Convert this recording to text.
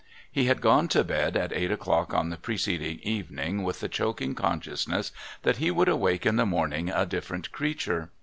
He had gone to bed at eight o'clock on the preceding evening with the choking consciousness that he would awake in the morning a different creature.